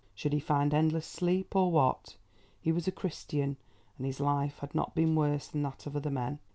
Should he find endless sleep, or what? He was a Christian, and his life had not been worse than that of other men.